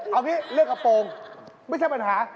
เอางี้เรื่องกระโปรงไม่ใช่ปัญหา